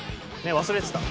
忘れてた。